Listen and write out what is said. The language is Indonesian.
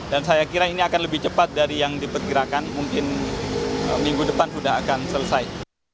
dan saya kira ini akan lebih cepat dari yang dipergerakan mungkin minggu depan sudah akan selesai